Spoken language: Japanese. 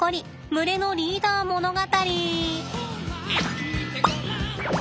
群れのリーダー物語！